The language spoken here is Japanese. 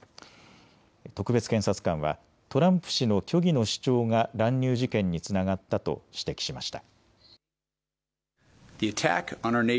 特別検察官はトランプ氏の虚偽の主張が乱入事件につながったと指摘しました。